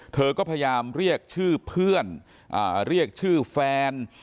เธอก็พยายามเรียกชื่อเพื่อนเรียกชื่อแฟน